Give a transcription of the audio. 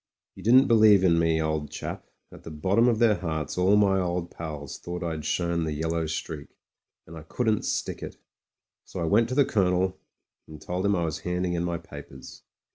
You didn't believe in me, old chap; at the bot tom of their hearts all my old pals thought I'd shown the yellow streak ; and I couldn't stick it. So I went to the Colonel, and told him I was handing in my papers.